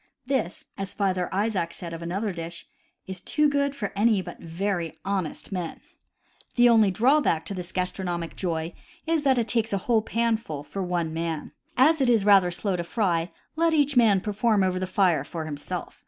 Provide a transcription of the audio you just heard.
— This, as Father Izaak said of another dish, is "too good for any but very honest men." The 128 CAMPING AND WOODCRAFT only drawback to this gastronomic joy is that it takes a whole panful for one man. As it is rather slow to fry, let each man perform over the fire for himself.